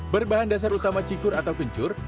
berbahan dasar utama cikur atau kencur